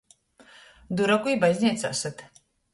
Duraku i bazneicā syt.